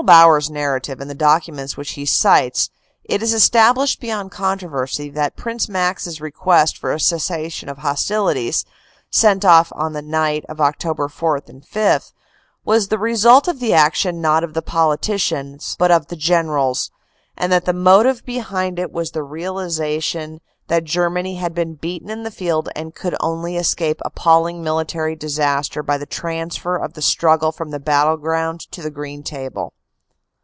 Bauer s narrative and the documents which he cites, it is established beyond controversy that Prince Max s request for a cessation of hostilities, sent off on the night of Oct. 4 5, was the result of the action not of the politicians, but of the gen erals, and that the motive behind it was the realization that Germany had been beaten in the field and could only escape appalling military disaster by the transfer of the struggle from the battleground to the green table."